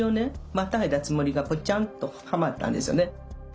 またいだつもりがポチャンとはまったんですよね。